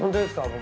僕。